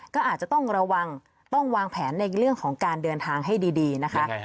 ก็อาจจะต้องระวังต้องวางแผนในเรื่องของการเดินทางให้ดีนะคะ